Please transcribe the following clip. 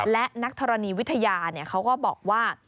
และนักธรณีวิทยาเขาก็บอกว่า